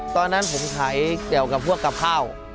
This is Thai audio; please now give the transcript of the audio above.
ตอนนั้นผมขายแก่วกับพวกกะพร่าว